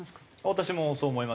私もそう思いますね。